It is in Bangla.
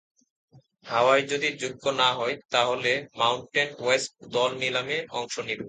হাওয়াই যদি যোগ্য না হয় তাহলে মাউন্টেন ওয়েস্ট দল নিলামে অংশ নেবে।